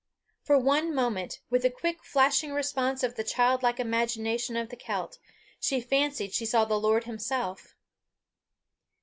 For one moment, with the quick flashing response of the childlike imagination of the Celt, she fancied she saw the Lord himself.